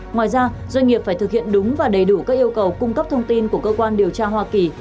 ngoài ra doanh nghiệp phải thực hiện đúng và đầy đủ các yêu cầu cung cấp thông tin của cơ quan điều tra hoa kỳ